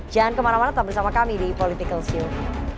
jangan kemana mana tetap bersama kami di politikalsyuh